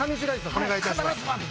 お願いいたします。